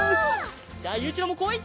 じゃあゆういちろうもこい！